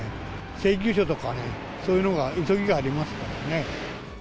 請求書とかね、そういうのが、急ぎがありますからね。